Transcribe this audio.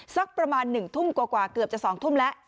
สักประมาณ๑ทุ่มกว่าเกือบจะ๒ทุ่มแล้ว